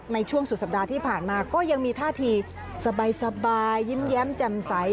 ในช่วงสุดสัปดาห์ที่ผ่านมาก็ยังมีท่าทีสบายยิ้มแย้มแจ่มใส